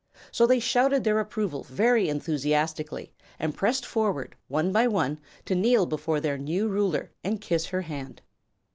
So they shouted their approval very enthusiastically and pressed forward one by one to kneel before their new Ruler and kiss her hand.